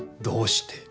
どうして？